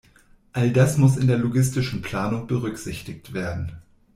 All das muss in der logistischen Planung berücksichtigt werden.